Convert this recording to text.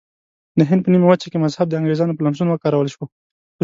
د هند په نیمه وچه کې مذهب د انګریزانو په لمسون وکارول شو.